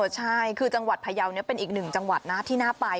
ใช่คือจังหวัดพยาวเป็นอีกหนึ่งจังหวัดนะที่น่าไป